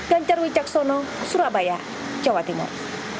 ganjar wicaksono surabaya jawa timur